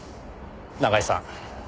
永井さん